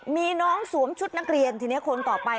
มีน้องสวมชุดนักเรียนทีนี้คนต่อไป